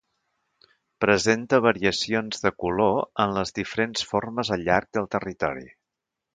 Presenta variacions de color en les diferents formes al llarg del territori.